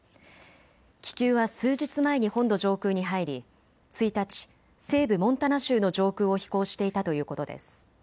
気球は数日前に本土上空に入り１日、西部モンタナ州の上空を飛行していたということです。